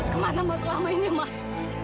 kemana mas selama ini mas